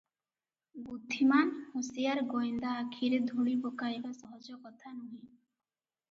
ବୁଦ୍ଧିମାନ ହୁସିଆର ଗୋଏନ୍ଦା ଆଖିରେ ଧୂଳି ପକାଇବା ସହଜକଥା ନୁହେଁ ।